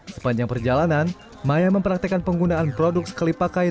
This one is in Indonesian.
sepanjang perjalanan maya mempraktekan penggunaan produk sekalipakai